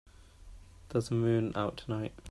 There's a moon out tonight.